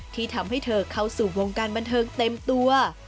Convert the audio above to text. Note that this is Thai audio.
ที่ทำให้เธอเข้าสู่วงการบันเทิงเต็มตัว